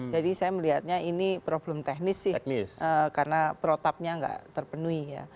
jadi saya melihatnya ini problem teknis sih karena perotapnya nggak terpenuhi ya